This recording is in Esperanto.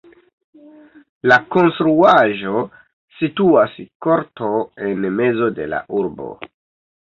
La konstruaĵo situas korto en mezo de la urbo.